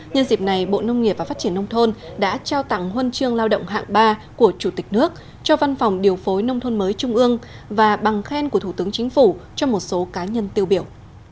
nhân dịp này bộ nông nghiệp và phát triển nông thôn đã trao tặng huân chương lao động hạng ba của chủ tịch nước cho văn phòng điều phối nông thôn mới trung ương và bằng khen của thủ tướng chính phủ cho một số cá nhân tiêu biểu